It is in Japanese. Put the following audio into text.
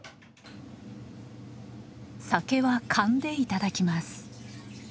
酒は燗でいただきます。